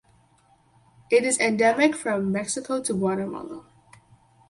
It is endemic from Mexico to Guatemala.